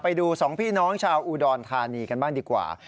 ไปดูสองพี่น้องชาวอุดรธานีกันบ้างดีกว่า